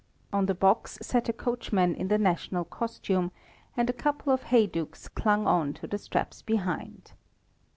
On the box sat a coachman in the national costume, and a couple of heydukes clung on to the straps behind.